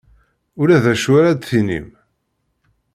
Ulac d acu ara d-tinim?